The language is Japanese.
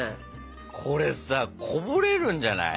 これさこぼれるんじゃない？